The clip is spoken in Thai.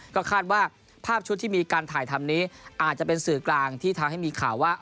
ก็คาดว่าภาพชุดที่มีการถ่ายทำนี้อาจจะเป็นสื่อกลางที่ทำให้มีข่าวว่า